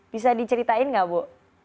bisa diceritain gak ibu